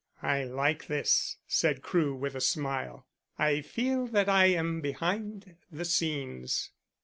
"I like this," said Crewe with a smile. "I feel that I am behind the scenes."